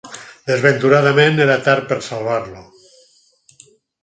Desventuradament era tard per a salvar-lo.